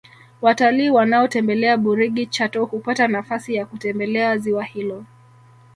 Watalii wanaotembelea burigi chato hupata nafasi ya kutembelea ziwa hilo